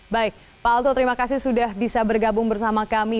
baik pak alto terima kasih sudah bisa bergabung bersama kami